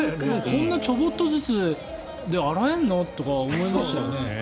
こんなちょぼっとずつで洗えるの？とかって思いましたよね。